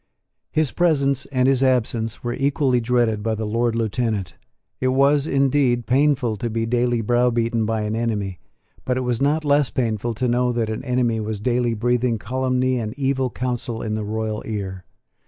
His presence and his absence were equally dreaded by the Lord Lieutenant. It was, indeed, painful to be daily browbeaten by an enemy: but it was not less painful to know that an enemy was daily breathing calumny and evil counsel in the royal ear.